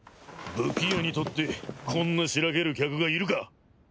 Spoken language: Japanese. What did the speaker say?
武器屋にとってこんなしらける客がいるか。